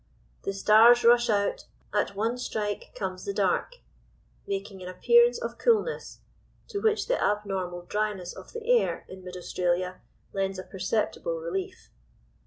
"The stars rush out, at one strike comes the dark," making an appearance of coolness, to which the abnormal dryness of the air in mid Australia lends a perceptible relief.